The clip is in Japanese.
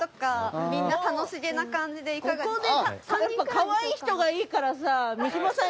かわいい人がいいもん！